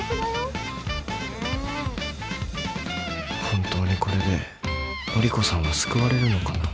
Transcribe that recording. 本当にこれで紀子さんは救われるのかな